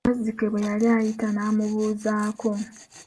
Wazzike bwe yali ayita n'amubuuzaako.